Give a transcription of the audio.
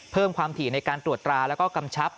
เพิ่มความถี่ในการตรวจตราแล้วก็กำชับ